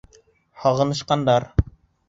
Һағынышҡандар.